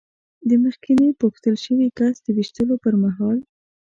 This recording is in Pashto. د مخکېني پوښتل شوي کس د وېشتلو پر مهال.